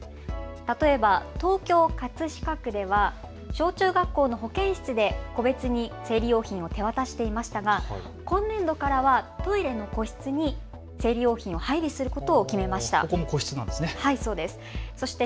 例えば東京葛飾区では小中学校の保健室で個別に生理用品を手渡していましたが今年度からはトイレの個室に生理用品を配備することを決めました。